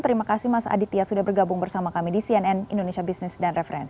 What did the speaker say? terima kasih mas aditya sudah bergabung bersama kami di cnn indonesia business dan referensi